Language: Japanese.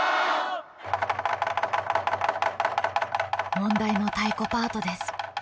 問題の太鼓パートです。